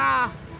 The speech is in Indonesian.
marah sama gue